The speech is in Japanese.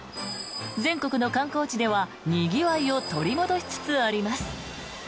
全国の観光地ではにぎわいを取り戻しつつあります。